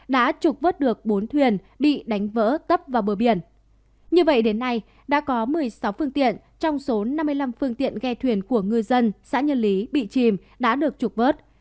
đã có một mươi sáu phương tiện trong số năm mươi năm phương tiện ghe thuyền của ngư dân xã nhân lý bị chìm đã được trục vớt